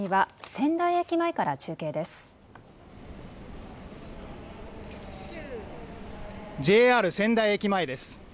ＪＲ仙台駅前です。